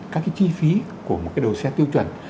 các cái chi phí của một cái đầu xe tiêu chuẩn